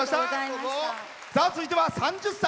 続いては３０歳。